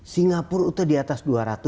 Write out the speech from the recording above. singapura itu di atas dua ratus